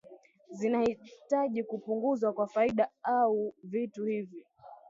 zinahitaji kupunguzwa kwa faida ua vitu hivi